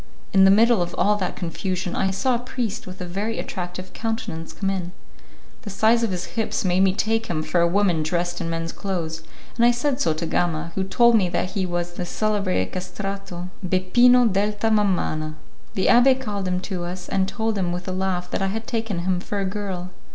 In the middle of all that confusion, I saw a priest with a very attractive countenance come in. The size of his hips made me take him for a woman dressed in men's clothes, and I said so to Gama, who told me that he was the celebrated castrato, Bepino delta Mamana. The abbé called him to us, and told him with a laugh that I had taken him for a girl.